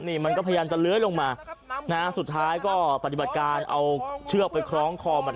นี่มันก็พยายามจะเลื้อยลงมานะฮะสุดท้ายก็ปฏิบัติการเอาเชือกไปคล้องคอมัน